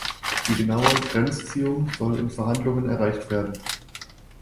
Die genaue Grenzziehung soll in Verhandlungen erreicht werden.